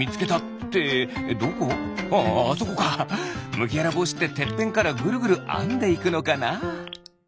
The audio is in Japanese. むぎわらぼうしっててっぺんからぐるぐるあんでいくのかなあ？